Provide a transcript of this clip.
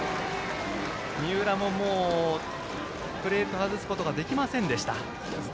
三浦もプレートを外すことができませんでした。